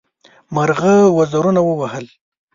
مرغه وزرونه ووهل.